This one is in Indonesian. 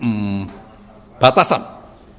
karena negara harus dikelola dalam keadaan stabil